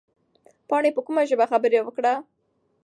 پاڼې په کومه ژبه خبره وکړه؟